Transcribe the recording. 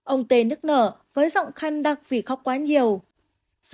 ông tê nức nở với giọng khăn đặc vì khóc quá nhiều